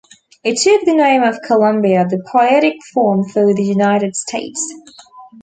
It took the name of Columbia, the poetic form for the United States.